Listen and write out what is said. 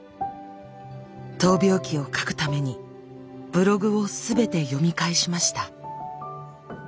闘病記を書くためにブログを全て読み返しました。